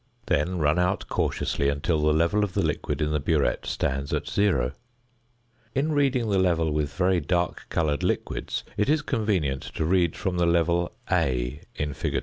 Then run out cautiously until the level of the liquid in the burette stands at zero. In reading the level with very dark coloured liquids it is convenient to read from the level A (fig.